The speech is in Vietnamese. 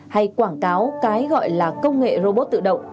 hay quảng cáo cái gọi là công nghệ robot tự động